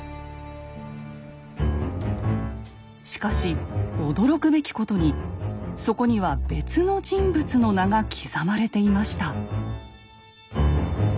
しかし驚くべきことにそこには別の人物の名が刻まれていました。